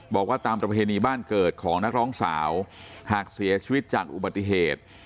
บอกว่าตามประเพณีบ้านเกิดของนักร้องสาวหากเสียชีวิตจากอุบัติเหตุ